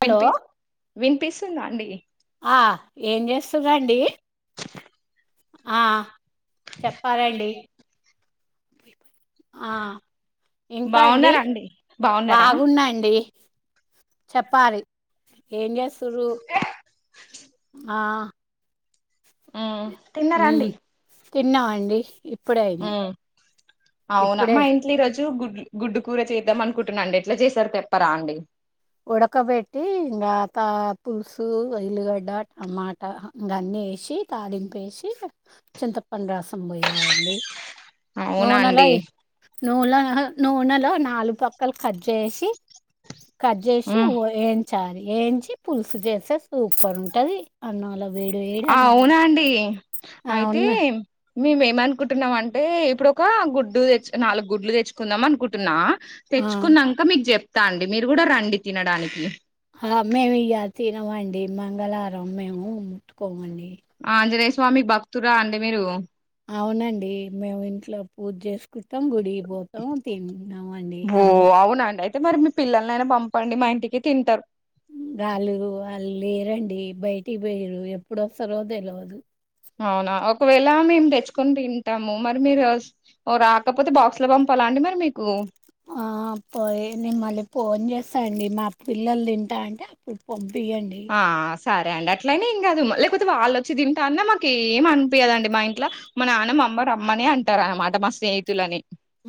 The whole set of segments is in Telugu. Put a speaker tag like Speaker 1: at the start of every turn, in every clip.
Speaker 1: హలో
Speaker 2: వినిపి వినిపిస్తుందా అండి
Speaker 1: అ ఏం జెస్తురండి అ ఆ చెప్పాలండి [inaudible] అ ఇంకా అండి
Speaker 2: బాగున్నారా బాగున్నారా
Speaker 1: బాగున్నాండి చెప్పారి ఏం చేస్తురు అ ఆ
Speaker 2: అ ఆ
Speaker 1: ఉమ్ తిన్నా అండి ఇప్పుడెఐనై
Speaker 2: మ్మ్
Speaker 1: ఇప్పుడే
Speaker 2: జు గుడ్ల గుడ్డు కూర చేద్దాం అనుకుంటున్నా అండి ఎట్లా జెసారు తెప్పరా అండి
Speaker 1: ఉడకబెట్టి ఇంగా త పుసు ఎలిగడ్డ టమాటా ఇంగా అన్నీ ఎశి తాలింప్ ఎశి చింతపండ్ రసం పోయాయండి
Speaker 2: అవునా
Speaker 1: నూనల
Speaker 2: అండి
Speaker 1: ఇ నూన్ల నూనెల నాల్ పక్కల్ కట్ జేసీ కట్ జేసి
Speaker 2: మ్మ్
Speaker 1: వో ఏయించాలి ఏంచి పుల్సు జెస్తే సూపర్ ఉంటది అన్నళ్లా
Speaker 2: అ అవ్ నా అండి అయితే
Speaker 1: అవును
Speaker 2: మేమ్ ఏమన్ కుంటున్నాం అంటే ఇప్పుడు ఒక గుడ్డు తెచ్ నాలుగ్ గుడ్లు తెచ్చుకుందాం అనుకుంటున్నా
Speaker 1: ఆ
Speaker 2: తెచ్చుకున్నాంక మీక్ జెప్ ఇస్త అండి మీరు కూడా రండి తినడానికి
Speaker 1: అ మేమ్ ఇయల తినవండి మంగళరం మేము ముట్టుకోమండి
Speaker 2: ఆంజనేశ్ స్వామి భక్తుర అండి మీరు
Speaker 1: అవ్ నండి మేమ్ ఇంట్లో పూజ్ జెస్ క్రితం గుడి పోతాం తిన్నాం అండి ఆమూ
Speaker 2: తే మరి మీ పిల్లలను ఐనా పంపండి మా ఇంటికి తింటరు.
Speaker 1: వాళ్లు వాళ్ళు లేరండి, బయటికి పోయిర్రు ఎప్పుడస్తరో తెలవదు.
Speaker 2: అవునా ఒకవేళ మేము తెచ్చుకొని తింటాము మరి మీరు వ ఓ రాకపోతే బాక్స్ లో పంపాలా అండి మరి మీకు.
Speaker 1: ఆ పోయి నే మళ్ళీ ఫోన్ చేస్తా అండి. మా పిల్లలు తింటా అంటే అప్పుడు పం
Speaker 2: ఆ సరే అండి అ ట్లని ఏం కాదు లేకపోతే వాళ్ళు ఒచ్చి తింటా అన్నా మాకు ఏం అనిపియదండి. మా ఇంట్ల మా నాన్న మా అమ్మ రమ్మనే అంటారు అనమాట మా స్నేహితులని.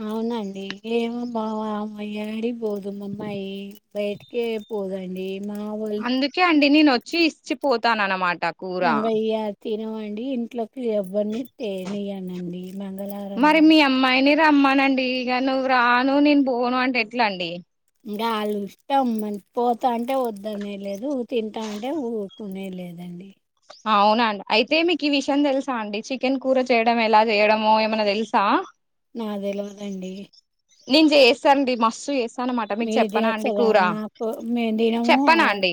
Speaker 1: అవునండి ఏమో బావ అమ్మ [unintelligible] పోదు మమ్మయి బయటికే పోదండి. మా వోళ్ళు
Speaker 2: అందుకే అండి నేను వ చ్చి ఇచ్చిపోతాను అనమా ట కూర.
Speaker 1: ఇంగ ఇగ తినమండి ఇంట్లో ఎవ్వరిని తేనీయనండి మంగళారం
Speaker 2: మరి
Speaker 1: కదా
Speaker 2: మీ అమ్మాయిని రమ్మనండి ఇగ నువ్వు రాను నేను పోను అంటే ఎట్లా అండి.
Speaker 1: ఇంగా ఆళ్ళ ఇష్టం. మన పోతాంటే వద్దనేది లేదు, తింటా అంటే ఊకునేది లేదండి.
Speaker 2: అవునాఅండి, అయితే మీకు ఈ విషయం తెలుసా అండి చికెన్ కూర చేయడం ఎలా చేయడమో ఏమన్నా తెలుసా.
Speaker 1: నాకు తెలవదండి.
Speaker 2: నేను చేస్తానండి మస్తు చేస్
Speaker 1: మీరు చేస్తరా నాకు మేము తినము. ఆ
Speaker 2: చెప్పనా అండి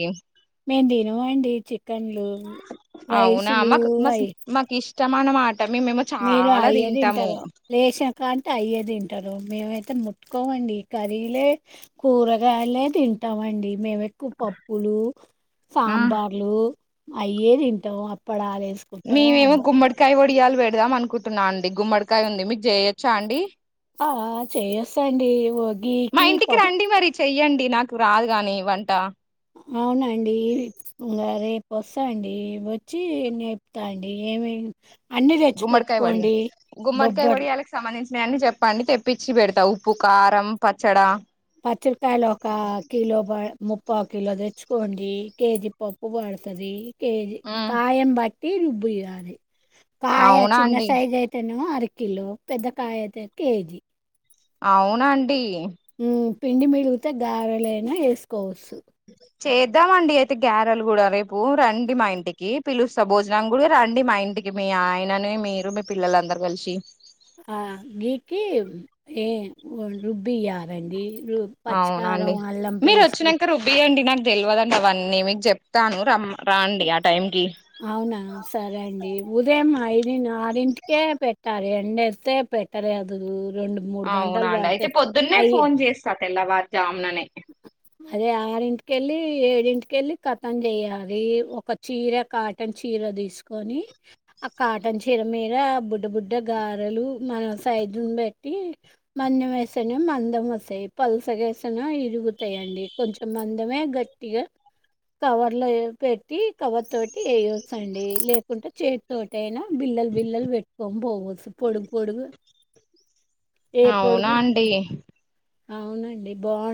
Speaker 1: మేము తినమండి చికెన్లు.
Speaker 2: అవునా
Speaker 1: రైసులు
Speaker 2: మాకు మస్
Speaker 1: అయి
Speaker 2: మకి ఇష్ ష్టం అనమా
Speaker 1: మీరు అయ్యే తింటరు, లేచిన కానుంచి అయ్యేదింట టరు మేమైతే ముట్టుకోమండి. కర్రీలే కూరగాయలే తింటామండి. మేం ఎక్కువ పప్పులు,
Speaker 2: ఆ
Speaker 1: సాంబార్లు అయ్యే తింటాం. అ ప్పడాలేసుకుంటం
Speaker 2: మేమేమో
Speaker 1: అబ్బా
Speaker 2: గుమ్మడికాయ వడియాలు పెడదాం అనుకుంటున్నా అండి. గుమ్మడికాయ ఉంది మీకు చేయొచ్చా అండి.
Speaker 1: ఆ చేస్తాండి ఓ
Speaker 2: మా
Speaker 1: గీకి
Speaker 2: ఇంటికి
Speaker 1: పం
Speaker 2: రండి మరి చెయ్యండి నాకు రాదు గాని వంటా.
Speaker 1: అవునండి ఇంగా రేపు వస్తాండి వచ్చి నేరుపుతా అండి ఏమేం అన్నీ
Speaker 2: గుమ్మడ్కాయ వడియాలు
Speaker 1: తెచ్చిపెట్టుకోండి.
Speaker 2: గుమ్మడికాయ
Speaker 1: బొబ్బట్లు
Speaker 2: వడియాలకి సంబందించి నయి అన్ని చెప్పండి తెప్పించి పెడతా ఉప్పు, కారం, పచ్చడా
Speaker 1: పచ్చిమిరపకాయలు ఒకా కిలో బాయ్ ముప్పావు కిలో తెచ్చుకోండి. కేజీ పప్పు పడుతది కేజీ
Speaker 2: ఉమ్,
Speaker 1: కాయన్ బట్ట్ టీ రుబ్బియాలి కాయా
Speaker 2: అవునా
Speaker 1: చిన్న
Speaker 2: అండి
Speaker 1: సైజ్ అయితేనేమో అరక్ కిలో పెద్దకాయ అయితే కేజీ
Speaker 2: అవునా అండీ
Speaker 1: హ్మూ పిండి మిగులుతే గ్యారలైనా ఏసుకోవచ్
Speaker 2: చేద్దామ్ అండి అయితే గ్యారెలు గూడా. రేపూ రండి మా ఇంటికీ పిలుస్తా. భోజనం గూడా రండి మా ఇంటికి మీ ఆయనని మీరు మీ పిల్లలందరు కల్శీ.
Speaker 1: ఆ గీకి ఏ రుబ్బియారండీ
Speaker 2: అవునండి. మీరు వచ్చినంక రుబ్బీయండి నాక్ తెల్వదండి అవన్నీ మీక్ చెప్తాను రం రాండి ఆ టైం
Speaker 1: అవునా సరే అండీ. ఉదయమ్ ఐదిన్ ఆరింటి కే పెట్టాలే ఎండొస్తే పెట్టలేదూ
Speaker 2: అవునా అండి. అయితే పొద్దున్నే ఫోన్ చేస్తా. తెల్లా వార్ జామ్ లనే
Speaker 1: అదే ఆరింటికెళ్ళీ ఏడింటికెళ్ళీ ఖతం జెయ్యాలీ. ఒక చీర కాటన్ చీర తీసుకొని ఆ కాటన్ చీర మీద ఆ బుడ్డ బుడ్డ గారెలు మన సైజుని బట్టీ, మందం వేస్తనేమొ మందం వస్తాయి పల్సగ వేస్తేనేమో ఇర్ రుగుతాయండి కొంచెం మందమే గట్టిగా, కవర్ లో పెట్టీ కవర్ తోటి ఏయొచ్చు అండీ. లేకుంటే చేతి తోటి అయినా బిల్లల్ బిల్లల్ పెట్టుకోన్ పోవద్ పొడుగు పొడుగు ఏ
Speaker 2: అవునా
Speaker 1: పొడుగు
Speaker 2: అండి
Speaker 1: అవునండి బావ్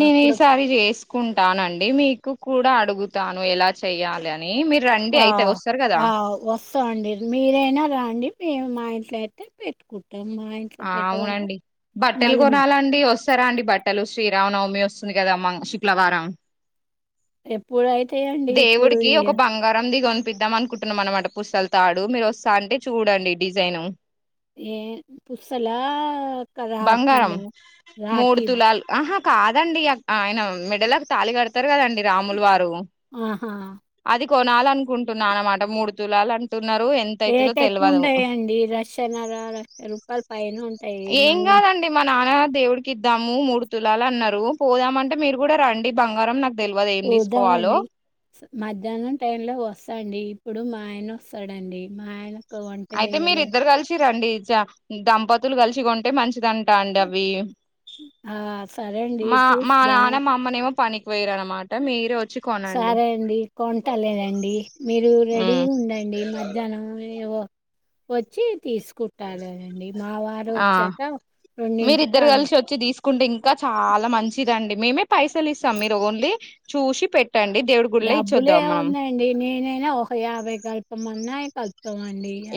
Speaker 2: నేను
Speaker 1: అప్పుడు
Speaker 2: ఈసారి చేసుకుంటానండి మీకు కూడా అడ్ అడుగుతాను ఎలా చెయ్యాలన్ నీ మీరు రండి
Speaker 1: ఆ
Speaker 2: అయితే వస్తారు గదా.
Speaker 1: ఆ వస్తామండి మీరైనా రాండి మేము మా ఇంట్లో అయితే పెట్టుకుం
Speaker 2: ఆవునండి బట్టలు
Speaker 1: మళ్ళీ
Speaker 2: కొనాలండి వస్తారా అండి బట్టలు శ్రీ రావనవమి వస్తుంది గదా మంగ్ శుక్లవారం
Speaker 1: ఎప్పుడయి
Speaker 2: దేవుడికి ఒక బంగారంది గొన్ పిద్దాం అనుకుంటున్నాం అనమాట పుస్తల్ తాడు. మీరు వస్తా అంటే చూడండి డిజైను.
Speaker 1: ఏ పుస్తల్లా
Speaker 2: బంగారం మూడుతులాల్ ఆహా కాదండి అక్ ఆయన మెడలక్ తాళి కడతరు కదండి రాముల్ వారు
Speaker 1: ఆహా
Speaker 2: అది కొనాలనుకుంటున్నా అనమాట మూడు తులాల్ అంట్
Speaker 1: రేట్ ఎక్కువ ఉంటాయండి. లక్షన్నర లక్ష రూపాయలు పైన ఉంట్
Speaker 2: ఏం కాదండి మన. నాన్నా దేవుడికి ఇద్దాము మూడు తులాలు అన్నారు. పోదామంటే మీరు కూడా రండి బంగారం నాకు. తెల్వదు ఏం తీసుకోవాలో.
Speaker 1: చూద్దామండి మధ్యాహ్నం టైం లో వస్తాండి. ఇప్పుడు మా ఆయన వస్తాడండి మా ఆయన
Speaker 2: అయితే మీరిద్దరు కలిసి రండి. దంపతులు కలిసి కొంటే మంచిదం రాండ్ అవి
Speaker 1: ఆ సరే అండి
Speaker 2: మ మా
Speaker 1: చూస్తాం
Speaker 2: నాన్న మా అమ్మనేమో పనికి. వైరు అనమాట మీరు ఓచ్.
Speaker 1: సరే అండి కొంట లేదండి. మీరు రెడీ ఉండండి మధ్యాహ్నం ఏవో వచ్చి తీసు. కుట్టాలేదండి మా వారు
Speaker 2: ఆ
Speaker 1: వచ్చాక రెండింటికి అన్
Speaker 2: కుంటే ఇంకా చాలా మంచిదిండి మేమే పైసలు ఇస్తాం మీరు ఓన్లీ చూసి పెట్
Speaker 1: డబ్బులేం ఉందండి నేనైనా ఒక యాభై కల్పి. మన్నాయకల్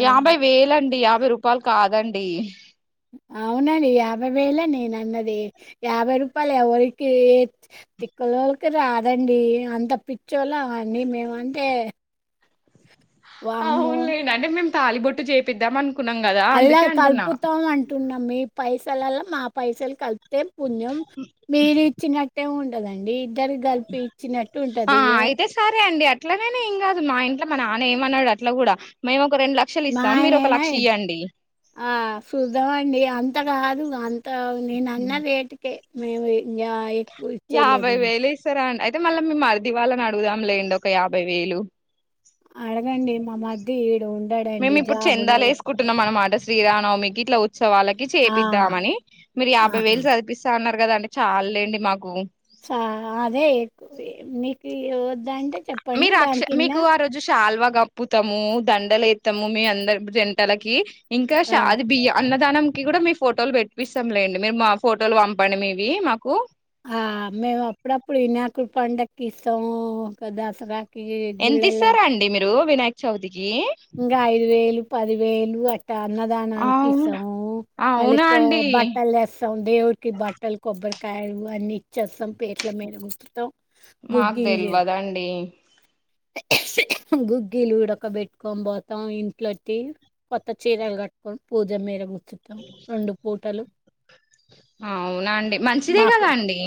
Speaker 2: యాభై వేలండి యాభ్ యభై రూపాయలు కాదండి.
Speaker 1: అవునండి యాభై వేలే నేను అన్నది. యాభై రూపాయలు ఎవరికి తిక్కలోలకి రాదండి. అంత పిచ్చోలా అండి మేమంటే.
Speaker 2: ఆహ్
Speaker 1: వామ్మో
Speaker 2: అవునులే అంటే మేం. తాలిబొట్టు చేపిద్దాం మన్
Speaker 1: అల్లా కలుపుతాం అంటున్నా మీర్ పైసల్లా మా పైసలు కలుప్ పంచం పుణ్యం మీరిచ్చినట్టే ఉన్ కదండి. దగ్గర కలిపి ఇచ్చినట్టు
Speaker 2: ఆ
Speaker 1: ఉంటది ఏ.
Speaker 2: అయితే సరే అండి అట్లనేనే ఏం కాదు మా ఇంట్లో మన నాన్న ఏమన్నాడు అట్లా కూడా మేము ఒక రెండు లక్షలు ఇస్తాం మీరు ఒక
Speaker 1: మాయననా
Speaker 2: లక్ష ఇయ్యండి
Speaker 1: ఆహ్ చుద్దామండి అంత. రాదు వాళ్లకి. తవుంది నేనన్న వేటికే మేమే న్యయి.
Speaker 2: యాభై వేలు ఇస్తారా ఎక్ అయితే మళ్ళ మీ మరిది వాళ్ళని అడుగుదాం లేండి ఒక యాభై వేలు.
Speaker 1: అడగండి మా మధ్య ఏడు.
Speaker 2: మేము ఇప్పుడు చందాల వేసుకుంటున్నాం మనం ఆట శ్రీ రానవు మీకు ఇట్లా సో వాళ్ళకి
Speaker 1: ఆ!
Speaker 2: చేపిద్దామని మీరు యాభై
Speaker 1: ఆహా!
Speaker 2: వేలు చదిపిస్తాన్నారు కదండి చాలలేండి మాకు
Speaker 1: అదే మీకు వద్దంటే చెప్పండి
Speaker 2: మీరు అక్ష
Speaker 1: దాని కింద
Speaker 2: మీకు ఆ రోజు శాల్వా కప్పుతాము దండలు వస్తాము మీ అందరి జంటలకి ఇంకా
Speaker 1: ఆ!
Speaker 2: షాది బియ్య అన్న ధానంకి కూడా మీ ఫోటోలు పెట్టిపిస్తాంలేండి మీరు మా ఫోటోలు పంపండి మీవి మాకు
Speaker 1: ఆ మేము అప్పుడప్పుడునా వినాయకుడి పండక్కి సౌ [unintelligible] దసరా కి
Speaker 2: ఎంత
Speaker 1: గుళ్ళలా
Speaker 2: ఇస్తారండి వినాయక చవితికి
Speaker 1: ఇంకా ఐదు వేలు పది వేలు అన్నదానానికి
Speaker 2: అవును
Speaker 1: ఇస్తాం మళ్లీ
Speaker 2: అవునా అండి
Speaker 1: బట్టలుస్తాం దేవుడికి బట్టలు కొబ్బరికాయలు అన్నీ ఇచ్చేస్తాం పీటల మీద కూర్చుంటాం
Speaker 2: మాకు తెలవదండి
Speaker 1: గుగ్గిలుడొక పెట్టి కట్కొ పోతాం ఇంట్లోట్టి కొత్త చీరలు కట్టుకొని పూజ మీరర్ ప్రస్తుతం రెండు పూటలు
Speaker 2: అవునా అండి మంచిదే
Speaker 1: మాకు
Speaker 2: కదా అండి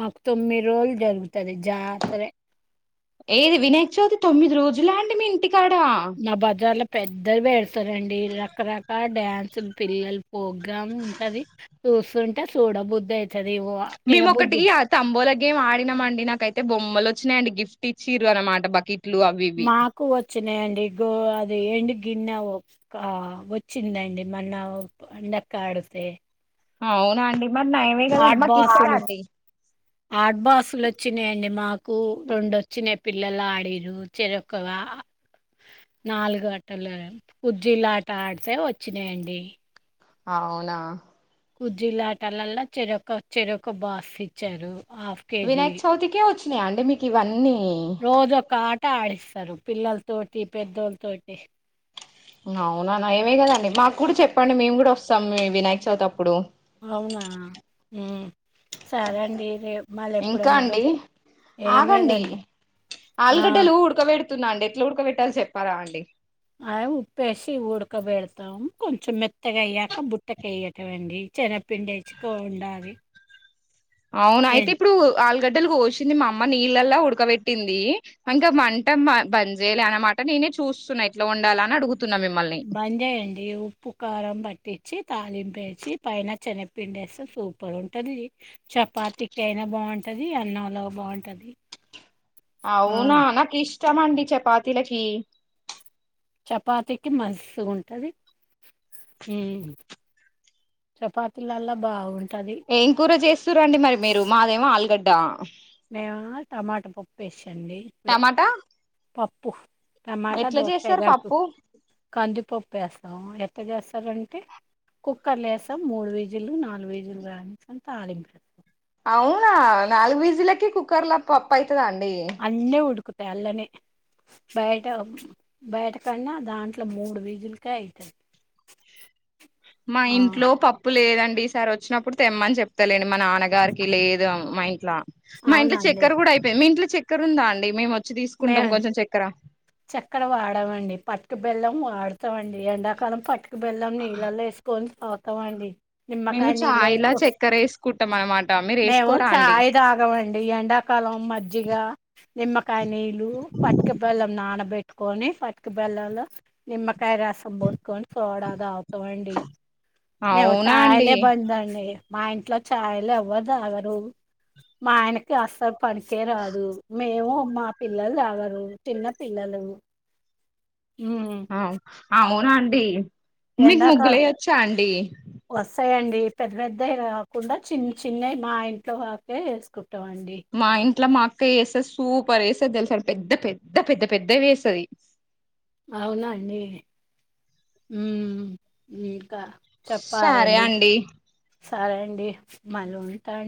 Speaker 1: మాకు తొమ్మిది రోజులు జరుగుతది జాతరే
Speaker 2: ఏది వినాయక చవితి తొమ్మిది రోజులు అండి మీ [unintelligible] కాడ
Speaker 1: పెద్దలు పెడతారండి రకరకాల డ్యాన్సులు పిల్లలు ప్రోగ్రామ్ ఉంటది చూస్తుంటే చూడబుద్ధి అయితుంది
Speaker 2: మేము ఒక్కటిక తంబోలా మేం ఆడినాంమండి నాకైతే బొమ్మలు వచ్చాయియండి గిఫ్ట్ ఇచ్చింద్రు అనమాట బకీ ఎట్లు అవి ఇవి
Speaker 1: వచ్చినయండి గో అది ఎండు గిన్న వచ్చిందండి మన్న అండక్క ఆడితే
Speaker 2: అవునా అండి మరి నయమే కదండి
Speaker 1: ఆడ్
Speaker 2: మాకు ఇస్తారా
Speaker 1: బాసులు
Speaker 2: అండి
Speaker 1: హాట్ బాక్సులు వచ్చినాయండి మాకు కు రెండు వచ్చినా పిల్లలు ఆడరు చిరకుగా నాలుగు ఆటలు కు్జీలా ఆట ఆడితే వచ్చినాయండి
Speaker 2: అవునా
Speaker 1: కుజ్జీలాటాలల్లో చెర ఒక చెరక బాస్ ఇచ్చారు
Speaker 2: వినాయక చౌతి కి వచ్చ యా అండి మీకు ఇవన్నీ
Speaker 1: రోజు ఒక్క ఆ అట్టా ఆడిస్తారు పిల్లలతోటి పెద్దోళ్ళతోటి
Speaker 2: అవునానా ఏమే కదండి మాకు కూడా చెప్పండి. మేము కూడా వస్తాం. మీ వినాయక చవితి అప్పుడు
Speaker 1: అవునా ఉమ్ సరే అండి రేప్
Speaker 2: ఇంకా అండి ఆగండి
Speaker 1: లేదండి ఆ
Speaker 2: ఆలుగడ్డలు ఉడకబెడు తున్న అండి ఎట్లా ఊడక పెట్టాలి చెప్పారా అండి
Speaker 1: అ ఉప్పేసి ఉడకబెడతాం కొంచెం మెత్తగా అయ్యాక బుట్టక వేయటం అండి. చనగపిండి వేసిగ వండాలి
Speaker 2: అవును అయితే ఇప్పుడు ఆలుగడ్ బద్దలు కోసింది మా అమ్మ నీళ్ళలా ఉడకబెట్టింది. ఇంకా మంట బంద్ చేేయలే అనమాట. నేనే చూస్తున్నా ఎట్లా వండాల అని అడుగుతు
Speaker 1: బంద్ జేయండి. ఉప్పు కారం పట్టించి తాళింపేచి పైన సెనగపిండి వేస్తే సూపర్ ఉంటది. చపాతికి అయినా బాగుంటది. అన్నంలో బాగుంటది. ఆ
Speaker 2: అవునా నా కిష్ ఇష్టమండి చపాతిలకి
Speaker 1: చపాతికి మస్ గ ఉంటది ఉం చపాతీలలా బాగుం
Speaker 2: ఏం కూర చేస్తుర్రండి మరి మీరు మాదేమో ఆల్ గడ్ డ్డ
Speaker 1: మేము టమాటా పప్పు ఏసాండి ఇప్పుడే
Speaker 2: టమాటా
Speaker 1: పప్ ప్పు టమాటా
Speaker 2: ఎట్లా
Speaker 1: దోస కాయి
Speaker 2: చేస్తారు
Speaker 1: కలపు
Speaker 2: పప్పు
Speaker 1: కందిపప్పు ఎస్తాము ఎంత చేస్తారంటే కుక్కర్ల వేసాం మూడు విజులు నాలుగు విజులు రాణింక తాలింపు
Speaker 2: అవునా నాలుగు విజిల్ల కే కుక్కర్ల పప్పాయి
Speaker 1: అన్ని ఉడుకుతాయి అల్లనే బయట బయట కన్నా దాంట్లో మూడు విజిల్లకే అయితాయి.
Speaker 2: మా ఇంట్లో పప్పు లేదన్ డి ఈసార్ వచ్చినప్పుడు తెమ్మని చెప్తలేండి. మా నాన్నగారికి లేదు మా ఇంట్లా మా ఇంట్లో
Speaker 1: అవునండి
Speaker 2: చెక్కెర కూడా అయిపోయింది. మీ ఇంట్లో చెక్ చెక్కర ఉందా అండి మెమో వచ్చి తీసుకుంటాం కొంచెం చక్కర
Speaker 1: చెక్కర వాడమండి పట్టు బెల్లం వాడుతాండి ఎండాకాలం పట్టు బెల్లం నీళ్ళల్లో వేసుకొని తాగుతామండి
Speaker 2: మేము
Speaker 1: నిమ్మకాయ నీళ్ళు
Speaker 2: చాయ్లా
Speaker 1: వేసు
Speaker 2: చక్కెర వేసుకుంటాం అనమాట మీరు
Speaker 1: మేము
Speaker 2: వేసుకోరా అండి
Speaker 1: చాయ్ తాగమండి. ఎండాకాలం మజ్జిగ, నిమ్మకాయ, నీళ్ళు, పటిక బెల్లం నా నానపెట్టుకొని పటిక బెల్లం లో నిమ్మ కాయ రసం పోసుకొని సోడా తాగుతామండి. మేము
Speaker 2: అవునా అండి
Speaker 1: చాయ్లె బంద్ అండి. మా ఇంట్లో చాయ్ లు ఎవ్వరు తాగరు మా ఆయనకి అస్స పనికే రాదు మేము మా పిల్లలు తాగరు చిన్న ఊ
Speaker 2: అ అవు నా అండి మీకు
Speaker 1: ఎండాకాలం
Speaker 2: ముగులయి వచ్చా అండి
Speaker 1: వస్తాయండి పెద్ద పెద్దవి కాకుండా చిన్న చిన్నవి మా ఇంట్లో వాకే వేసుకున్
Speaker 2: మా ఇంట్లో మా అక్క ఏస్తే సూపరేస్ స్తది తెలుసా పెద్ద పెద్ద పెద్ద పెద్దవి వేస్తాది
Speaker 1: అవునా అండి ఉమ్ ఊ కా
Speaker 2: సరే
Speaker 1: చెప్పారండి
Speaker 2: అండి
Speaker 1: సరే అండి మళ్ళీ ఉంటాన్